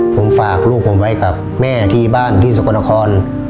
ผมฝากลูกผมไว้กับแม่ที่บ้านที่สกลนคร